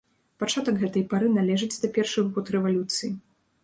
Пачатак гэтай пары належыць да першых год рэвалюцыі.